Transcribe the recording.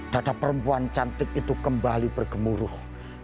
dada perempuan cantik itu kembali bergemuruh